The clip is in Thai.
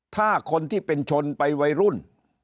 ถ้าคนที่เป็นชนไปวัยรุ่น